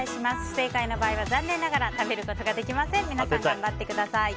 不正解の場合は残念ながら食べることはできません皆さん頑張ってください。